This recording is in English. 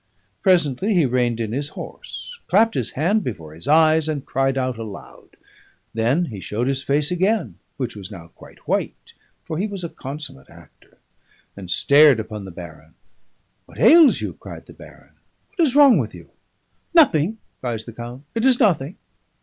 Presently he reined in his horse, clapped his hand before his eyes, and cried out aloud. Then he showed his face again (which was now quite white, for he was a consummate actor), and stared upon the baron. 'What ails you?' cries the baron. 'What is wrong with you?' 'Nothing,' cries the count. 'It is nothing.